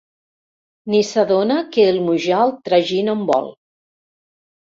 Ni s'adona que el Mujal tragina un bol.